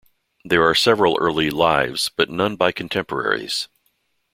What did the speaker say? There are several early "Lives", but none by contemporaries.